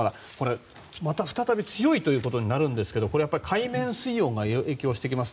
また再び強いということになるんですけどこれはやっぱり海面水温が影響してきます。